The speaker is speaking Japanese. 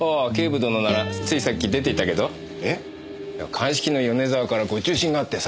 鑑識の米沢からご注進があってさ